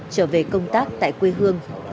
trở về công tác tại quê hương